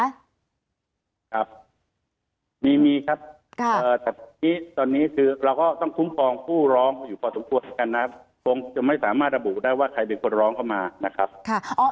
ครับครับมีมีครับที่ตอนนี้คือเราก็ต้องคุ้มครองผู้ร้องอยู่พอสมควรเหมือนกันนะครับคงจะไม่สามารถระบุได้ว่าใครเป็นคนร้องเข้ามานะครับ